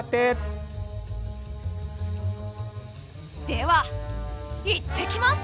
では行ってきます！